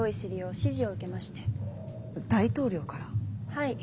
はい。